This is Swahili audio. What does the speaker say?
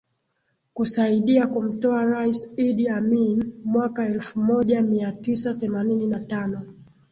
kusaidia kumtoa Rais Idi Amini mwaka elfu moja mia tisa themanini na tano